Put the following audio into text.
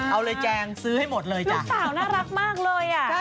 เอาเลยแจงซื้อให้หมดเลยจ้ะ